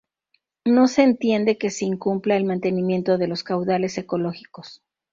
no se entiende que se incumpla el mantenimiento de los caudales ecológicos